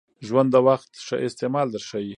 ژوند د وخت ښه استعمال در ښایي .